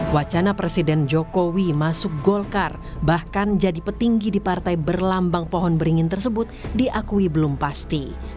wacana presiden jokowi masuk golkar bahkan jadi petinggi di partai berlambang pohon beringin tersebut diakui belum pasti